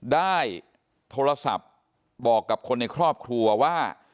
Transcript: ได้โทรศัพท์บอกกับคนในครอบครัวว่า